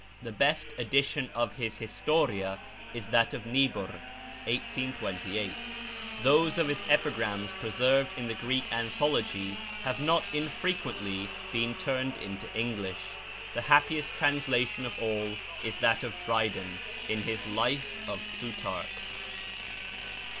The best edition of his 'Historia' is that of Niebuhr (1828). Those of his epigrams preserved in the Greek anthology have not infrequently been turned into English; the happiest translation of all is that of Dryden, in his 'Life of Plutarch.'